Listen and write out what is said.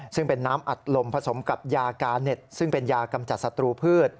ซึ่งเป็นน้ำอัดลมผสมกับยากาเน็ตซึ่งเป็นยากำจัดศัตรูพืช